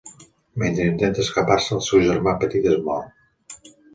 Mentre intenta escapar-se, el seu germà petit és mort.